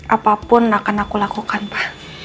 apapun akan aku lakukan pak